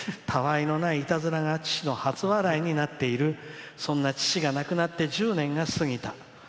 たあいのない、いたずらが父の初笑いになっているそんな父が亡くなって１０年が過ぎた。